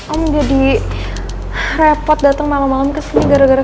om jadi repot dateng malem malem kesini gara gara